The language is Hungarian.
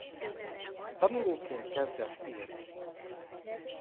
Tanulóként kezdett írni.